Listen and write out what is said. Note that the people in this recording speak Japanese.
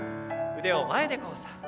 腕を前で交差。